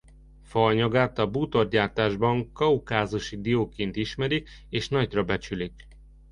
Faanyagát a bútorgyártásban kaukázusi dióként ismerik és nagyra becsülik.